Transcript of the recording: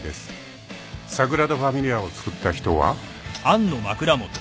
［サグラダ・ファミリアを造った人は？］